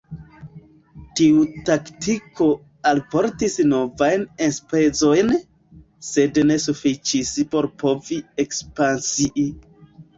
Tiu taktiko alportis novajn enspezojn, sed ne sufiĉis por povi ekspansii.